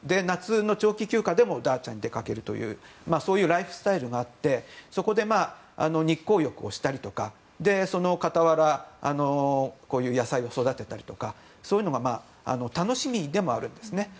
夏の長期休暇でもダーチャに出かけるというそういうライフスタイルがあってそこで日光浴をしたりとかその傍らこういう野菜を育てたりとかそういうのが楽しみでもあるんですね。